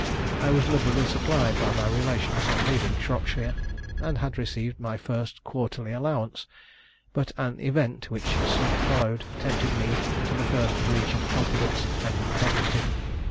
I was liberally supplied by my relations on leaving Shropshire, and had received my first quarterly allowance; but an event, which soon followed, tempted me to the first breach of confidence and integrity.